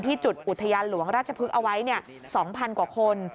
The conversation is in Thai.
จุดอุทยานหลวงราชพฤกษ์เอาไว้๒๐๐๐กว่าคน